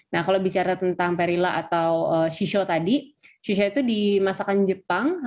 nah kalau bicara tentang perila atau shishow tadi shisha itu di masakan jepang